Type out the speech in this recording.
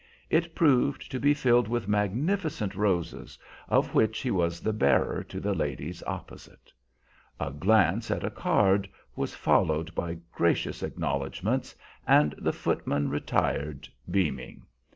It proved to be filled with magnificent roses, of which he was the bearer to the ladies opposite. A glance at a card was followed by gracious acknowledgments, and the footman retired beaming.